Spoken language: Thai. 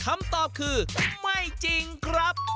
คำตอบคือไม่จริงครับ